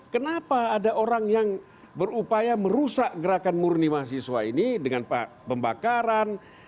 kenapa ada orang yang berupaya merusak gerakan murni mahasiswa ini dengan pembakaran